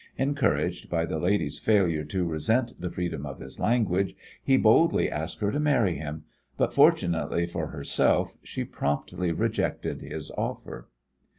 Encouraged by the lady's failure to resent the freedom of his language, he boldly asked her to marry him, but, fortunately for herself, she promptly rejected his offer.